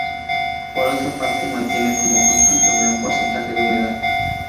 Por otra parte, mantiene como constante un gran porcentaje de humedad.